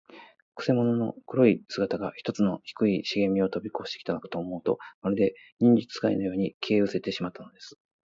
くせ者の黒い姿が、ひとつの低いしげみをとびこしたかと思うと、まるで、忍術使いのように、消えうせてしまったのです。